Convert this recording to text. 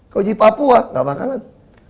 kalau di papua nggak makanan